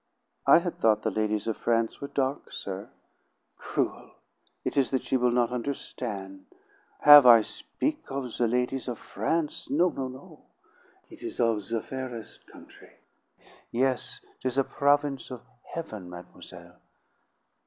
"I had thought the ladies of France were dark, sir. "Cruel! It is that she will not understan'! Have I speak of the ladies of France? No, no, no! It is of the faires' country; yes, 'tis a province of heaven, mademoiselle.